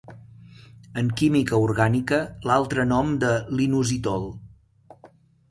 En química orgànica, l'altre nom de l'inositol.